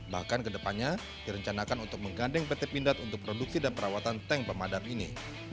bahkan kedepannya direncanakan untuk menggandeng pt pindad untuk produksi dan perawatan tank pemadam ini